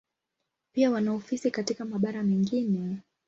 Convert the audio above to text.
Pia wana ofisi katika mabara mengine.